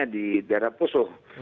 di daerah pusuh